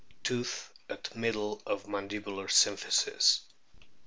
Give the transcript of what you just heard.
Tooth at middle of mandibular symphysis.